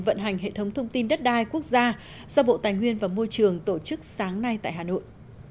vận hành hệ thống thông tin đất đai quốc gia do bộ tài nguyên và môi trường tổ chức sáng nay tại hà nội